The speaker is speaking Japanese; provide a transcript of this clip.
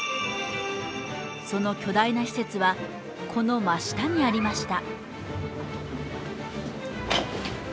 その巨大な施設はこの真下にありました。